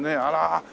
あら。